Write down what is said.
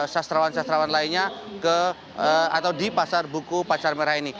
sastrawan sastrawan lainnya ke atau di pasar buku pacar merah ini